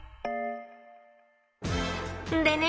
でね